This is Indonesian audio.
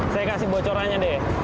saya kasih bocorannya deh